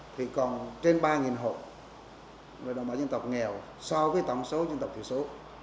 thì còn trên ba hộ đồng bào dân tộc nghèo so với tổng số dân tộc tiểu số